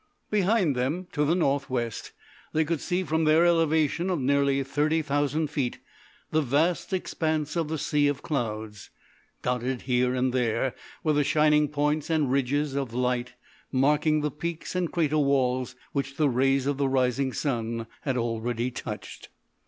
Behind them to the north west they could see from their elevation of nearly thirty thousand feet the vast expanse of the Sea of Clouds. Dotted here and there were the shining points and ridges of light marking the peaks and crater walls which the rays of the rising sun had already touched.